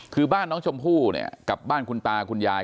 คือบ้านน้องชมพู่เนี่ยกับบ้านคุณตาคุณยาย